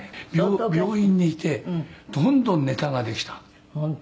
病院にいてどんどんネタができた枕が」